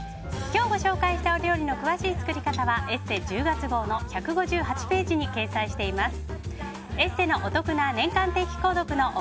今日ご紹介したお料理の詳しい作り方は「ＥＳＳＥ」１０月号の１５８ページに掲載しています。